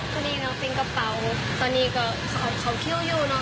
พอดีนะเฟรนกระเป๋าตอนนี้เขาคิวอยู่นะ